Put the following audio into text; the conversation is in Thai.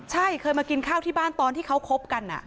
ใช่เคยมากินข้าวที่บ้านตอนที่เขาคบกัน